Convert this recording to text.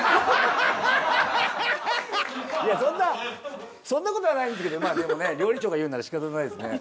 いやそんなそんな事はないんですけどまあでもね料理長が言うなら仕方ないですね。